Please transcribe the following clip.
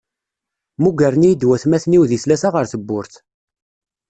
Mmugren-iyi-d watmaten-iw di tlata ɣer tewwurt.